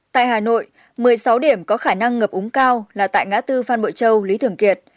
tại hà nội một mươi sáu điểm có khả năng ngập úng cao là tại ngã tư phan bội châu lý thường kiệt